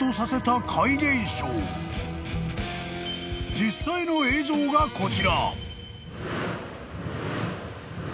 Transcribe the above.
［実際の映像がこちら］